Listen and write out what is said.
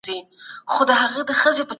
مه پرېږدئ چي ستاسو پلټنه له تعصب سره ګډه سي.